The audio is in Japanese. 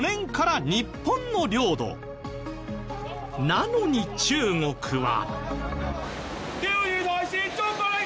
なのに中国は。